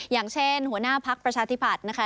อย่างเช่นหัวหน้าพักประชาธิบัตินะคะ